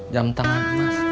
jam tangan emas